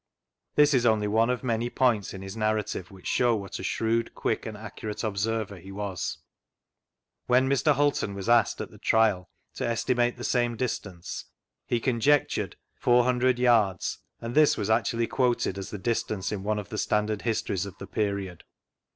This is only one of many points in his narrative which show what a shrewd, quick, and accurate observer he was. When Mr. Hulton was asked, at the Trial, to estimate the same distance, he conjectured four hundred yards, and this was actually quoted as the distance in one of the standard histories of the period.